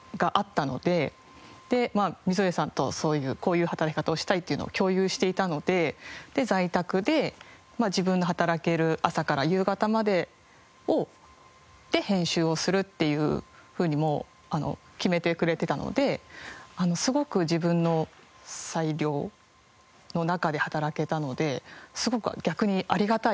で溝上さんとこういう働き方をしたいっていうのを共有していたので在宅で自分の働ける朝から夕方までで編集をするっていうふうに決めてくれてたのですごく自分の裁量の中で働けたのですごく逆にありがたい。